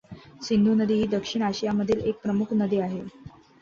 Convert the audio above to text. सिंधु नदी ही दक्षिण आशियामधील एक प्रमुख नदी आहे.